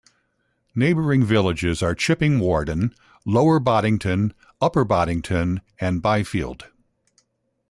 Neighbouring villages are Chipping Warden, Lower Boddington Upper Boddington and Byfield.